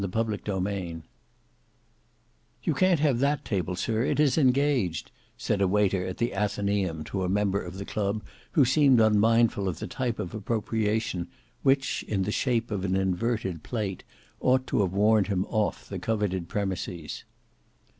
Book 4 Chapter 10 "You can't have that table, sir, it is engaged," said a waiter at the Athenaeum to a member of the club who seemed unmindful of the type of appropriation which in the shape of an inverted plate, ought to have warned him off the coveted premises.